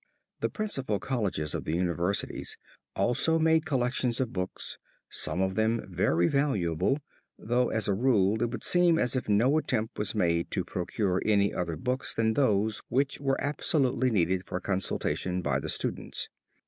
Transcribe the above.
The principal colleges of the universities also made collections of books, some of them very valuable, though as a rule, it would seem as if no attempt was made to procure any other books than those which were absolutely needed for consultation by the students.